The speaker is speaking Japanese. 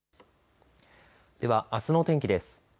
では、あすのお天気です。